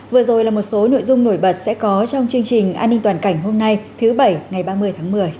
vừa rồi là một số nội dung nổi bật sẽ có trong chương trình an ninh toàn cảnh hôm nay thứ bảy ngày ba mươi tháng một mươi